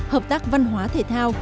hợp tác văn hóa thể thao